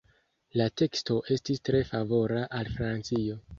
La teksto estis tre favora al Francio.